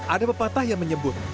ada pepatah yang menyebut